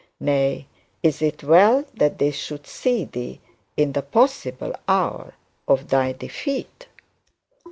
Nay, is it well that they should see thee in the possible hour of thy defeat?